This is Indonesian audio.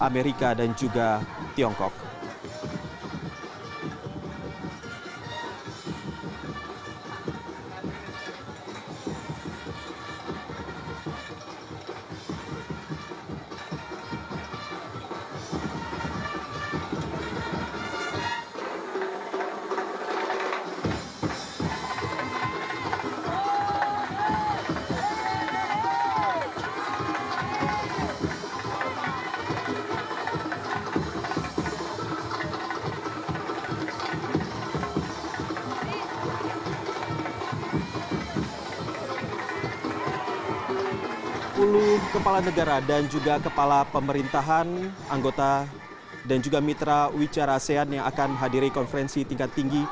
maupun juga dari negara negara indonesia